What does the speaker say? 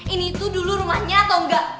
ini tuh dulu rumahnya atau enggak